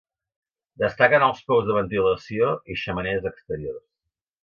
Destaquen els pous de ventilació i xemeneies exteriors.